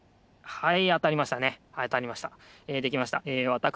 はい。